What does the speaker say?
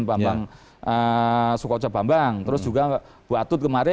bambang sukoca bambang terus juga bu atut kemarin